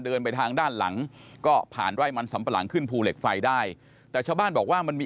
ไปทางด้านหลังก็ผ่านไร่มันสำปะหลังขึ้นภูเหล็กไฟได้แต่ชาวบ้านบอกว่ามันมี